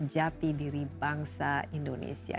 jati diri bangsa indonesia